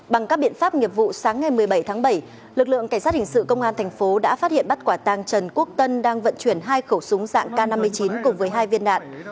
bằng các biện pháp nghiệp vụ sáng ngày một mươi bảy tháng bảy lực lượng cảnh sát hình sự công an thành phố đã phát hiện bắt quả tàng trần quốc tân đang vận chuyển hai khẩu súng dạng k năm mươi chín cùng với hai viên đạn